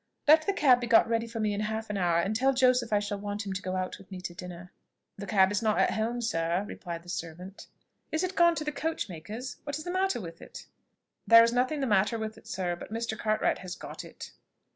"Let the cab be got ready for me in half an hour: and tell Joseph I shall want him to go out with me to dinner." "The cab is not at home, sir," replied the servant. "Is it gone to the coach maker's? What is the matter with it." "There is nothing the matter with it, sir; but Mr. Cartwright has got it."